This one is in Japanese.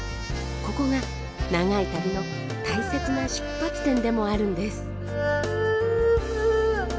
ここが長い旅の大切な出発点でもあるんです。